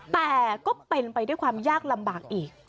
แต่ก็เป็นไปด้วยความยากลำบากอีก